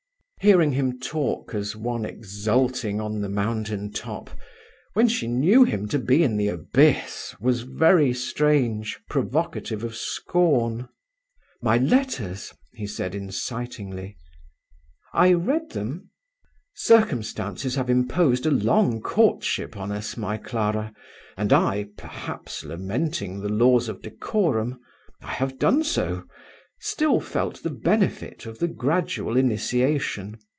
Hearing him talk as one exulting on the mountain top, when she knew him to be in the abyss, was very strange, provocative of scorn. "My letters?" he said, incitingly. "I read them." "Circumstances have imposed a long courtship on us, my Clara; and I, perhaps lamenting the laws of decorum I have done so! still felt the benefit of the gradual initiation.